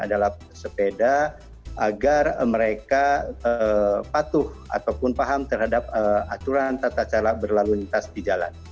adalah sepeda agar mereka patuh ataupun paham terhadap aturan tata cara berlalu lintas di jalan